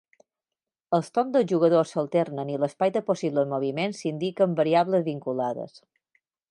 Els torns dels jugadors s'alternen i l'espai de possibles moviments s'indica amb variables vinculades.